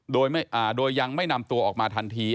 โดยยังไม่นำตัวออกมาทันที